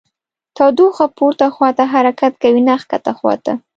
تودوخه پورته خواته حرکت کوي نه ښکته خواته.